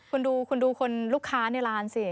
คุณดูคุณดูคนลูกค้าในร้านสิ